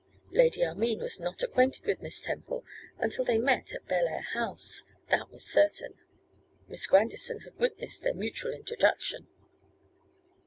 Lady Armine was not acquainted with Miss Temple until they met at Bellair House. That was certain. Miss Grandison had witnessed their mutual introduction.